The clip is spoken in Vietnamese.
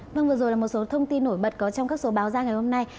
vâng vừa rồi là một số thông tin nổi bật có trong các số báo ra ngày hôm nay